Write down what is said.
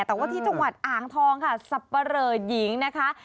แต่ว่าที่จังหวัดอ่างทองค่ะสับปะเรอหญิงนะคะ